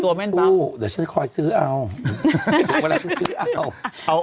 เดี๋ยวฉันค่อยซื้อเอา